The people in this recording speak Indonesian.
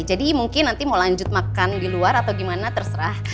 jadi mungkin nanti mau lanjut makan di luar atau gimana terserah